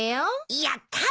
やったー！